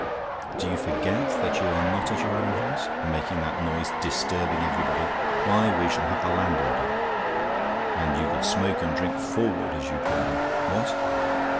Do you forget that you are not at your own house? making that noise! Disturbing everybody! Why, we shall have the landlord up! And you could smoke and drink 'forward,' as you called it. What?